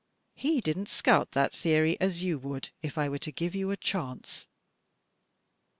He didn't scout that theory as you would if I were to give you a chance."